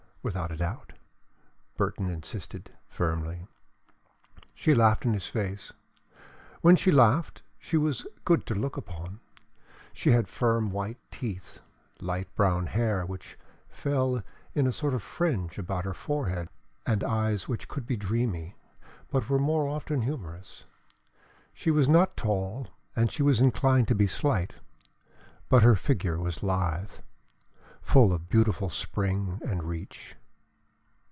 "Without a doubt," Burton insisted, firmly. She laughed in his face. When she laughed, she was good to look upon. She had firm white teeth, light brown hair which fell in a sort of fringe about her forehead, and eyes which could be dreamy but were more often humorous. She was not tall and she was inclined to be slight, but her figure was lithe, full of beautiful spring and reach.